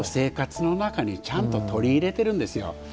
水を生活の中にちゃんと取り入れているんですよ。